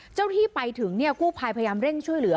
ที่ไปถึงกู้ภัยพยายามเร่งช่วยเหลือ